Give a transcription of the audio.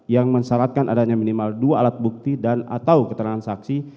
yang mensyaratkan adanya minimal dua alat bukti dan atau keterangan saksi